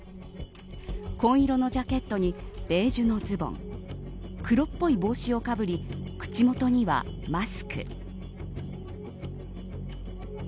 紺色のジャケットにベージュのズボン黒っぽい帽子をかぶり口元にはマスク。